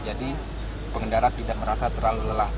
jadi pengendara tidak merasa terlalu lelah